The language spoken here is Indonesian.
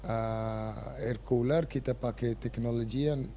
air cooler kita pakai teknologian